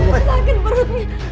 aku beneran sayang sakit perutnya